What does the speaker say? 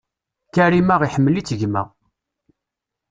Karima iḥemmel-itt gma.